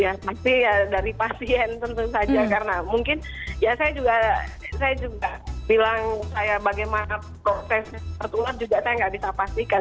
ya pasti ya dari pasien tentu saja karena mungkin ya saya juga bilang saya bagaimana proses tertular juga saya nggak bisa pastikan